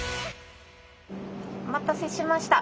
お待たせしました。